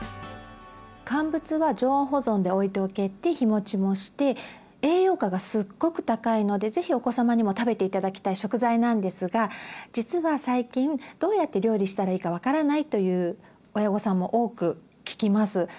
乾物は常温保存で置いておけて日もちもして栄養価がすっごく高いのでぜひお子様にも食べて頂きたい食材なんですが実は最近どうやって料理したらいいか分からないという親御さんも多く聞きます。